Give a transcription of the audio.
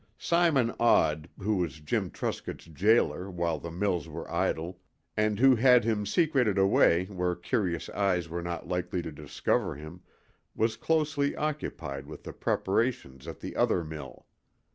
Simon Odd, who was Jim Truscott's jailer while the mills were idle, and who had him secreted away where curious eyes were not likely to discover him, was closely occupied with the preparations at the other mill.